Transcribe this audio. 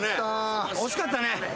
惜しかったね。